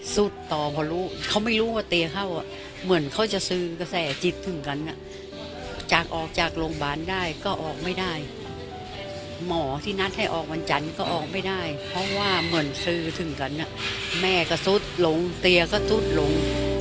สุดต่อพอรู้เขาไม่รู้ว่าเตียเข้าเหมือนเขาจะซื้อกระแสจิตถึงกันจากออกจากโรงพยาบาลได้ก็ออกไม่ได้หมอที่นัดให้ออกวันจันทร์ก็ออกไม่ได้เพราะว่าเหมือนสื่อถึงกันแม่ก็สุดลงเตียก็ซุดลง